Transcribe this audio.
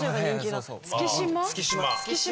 月島？